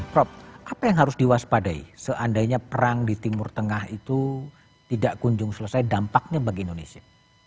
prof apa yang harus diwaspadai seandainya perang di timur tengah itu tidak kunjung selesai dampaknya bagi indonesia